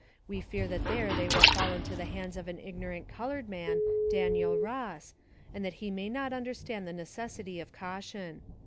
We fear that there they will fall into the hands of an ignorant colored man Daniel Ross, and that he may not understand the necessity of caution.